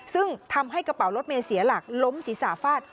ซึ่งทำให้กระเป๋ารถเมย์เสียหลักล้มศีรษะฟาด